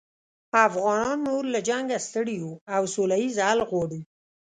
افغانان نور له جنګه ستړي یوو او سوله ییز حل غواړو